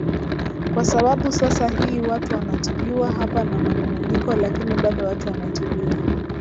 kwa sababu sasa hii watu wanatibiwa hapa na manunguniko lakini bado watu wanatibiwa